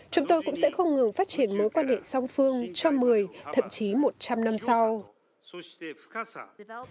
chúng tôi cũng sẽ không ngừng phát triển mối quan hệ song phương cho một mươi thậm chí một trăm linh năm sau